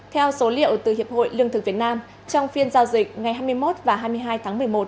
theo số liệu từ hiệp hội lương thực việt nam trong phiên giao dịch ngày hai mươi một và hai mươi hai tháng một mươi một